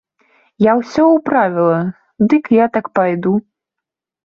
Я ўсё ўправіла, дык я так пайду.